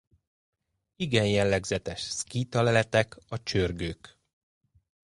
Igen jellegzetes szkíta leletek a csörgők.